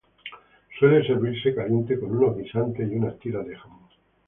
Suele servirse caliente con unos guisantes y unas tiras de jamón.